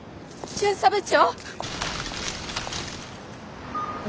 巡査部長！